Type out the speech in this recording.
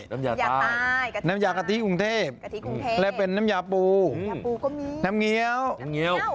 น้ำยาใต้น้ำยากะทิกรุงเทพและเป็นน้ำยาปูน้ำเงี๊ยว